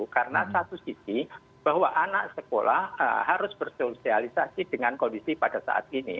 karena satu sisi bahwa anak sekolah harus bersosialisasi dengan kondisi pada saat ini